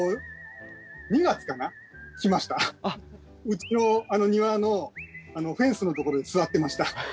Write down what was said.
うちの庭のフェンスのところに座ってました。